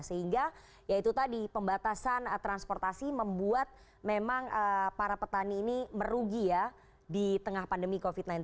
sehingga ya itu tadi pembatasan transportasi membuat memang para petani ini merugi ya di tengah pandemi covid sembilan belas